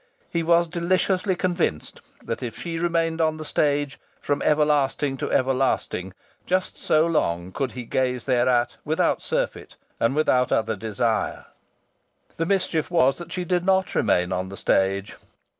He was deliciously convinced that if she remained on the stage from everlasting to everlasting, just so long could he gaze thereat without surfeit and without other desire. The mischief was that she did not remain on the stage.